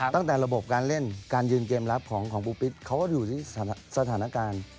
ตั้งแต่ระบบการเล่นการยืนเกมรับของปูปิศเขาก็อยู่ที่สถานการณ์